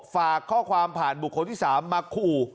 ฝากข้อความผ่านบุคคลที่๓มาขู่